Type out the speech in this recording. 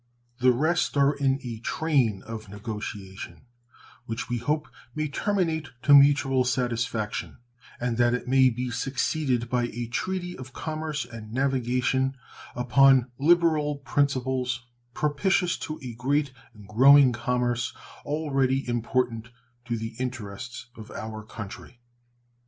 The rest are in a train of negotiation, which we hope may terminate to mutual satisfaction, and that it may be succeeded by a treaty of commerce and navigation, upon liberal principles, propitious to a great and growing commerce, already important to the interests of our country.